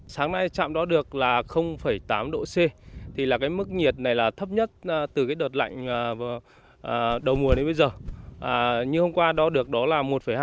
sáng nay chạm đó được là tám độ c thì là cái mức nhiệt này là thấp nhất từ cái đợt lạnh đầu mùa đến bây giờ như hôm qua đó được đó là một hai